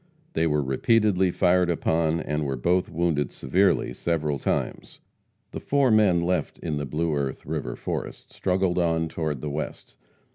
They were repeatedly fired upon, and were both wounded severely several times. The four men left in the Blue Earth river forest struggled on toward the west.